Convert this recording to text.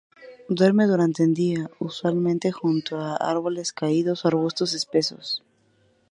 Duerme durante el día, usualmente junto a árboles caídos o arbustos espesos.